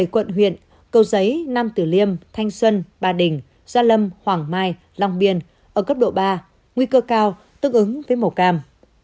một mươi quận huyện cầu giấy nam tử liêm thanh xuân ba đình gia lâm hoàng mai long biên ở cấp độ ba nguy cơ cao tương ứng với màu cam